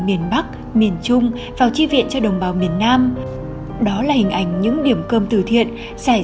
miền bắc miền trung vào chi viện cho đồng bào miền nam đó là hình ảnh những điểm cơm từ thiện giải